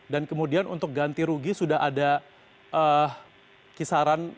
dan kemudian untuk ganti rugi sudah ada kisaran